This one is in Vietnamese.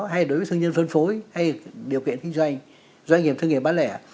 hay đối với thương nhân phân phối hay điều kiện kinh doanh doanh nghiệp thương nghiệp bán lẻ